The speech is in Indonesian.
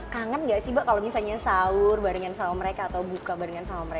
kangen gak sih mbak kalau misalnya sahur barengan sama mereka atau buka barengan sama mereka